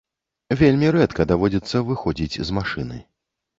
Вельмі рэдка даводзіцца выходзіць з машыны.